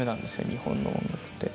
日本の音楽って。